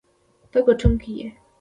ته ګټونکی یې.